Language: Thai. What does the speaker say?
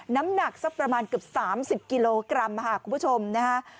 น้ำหนักสักประมาณเกือบ๓๐กิโลกรัมค่ะคุณผู้ชมนะฮะ